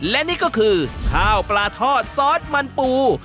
และนี่ก็คือข้าวปลาทอดซอสมันปู